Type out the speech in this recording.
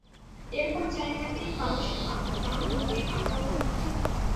এরকম জায়গাতেই মানুষের আত্মা মুক্তির আকাঙ্ক্ষা করে।